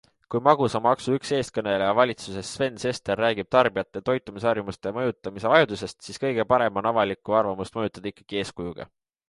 Kui magusamaksu üks eestkõneleja valitsuses Sven Sester räägib tarbijate toitumisharjumuste mõjutamise vajadusest, siis kõige parem on avalikku arvamust mõjutada ikkagi eeskujuga.